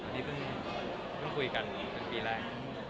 นี่เพิ่งคุยกัน๑ปีแรก